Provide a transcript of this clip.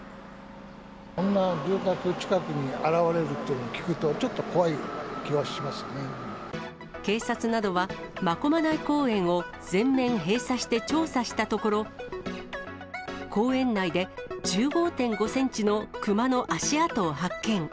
こんな住宅近くに現れるっていうのを聞くと、警察などは、真駒内公園を全面閉鎖して調査したところ、公園内で１５．５センチのクマの足跡を発見。